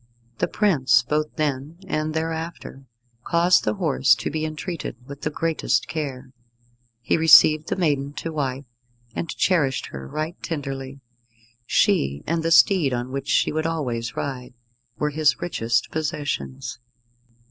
The prince both then and thereafter caused the horse to be entreated with the greatest care. He received the maiden to wife, and cherished her right tenderly. She, and the steed on which she would always ride, were his richest possessions.